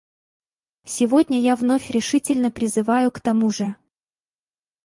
Сегодня я вновь решительно призываю к тому же.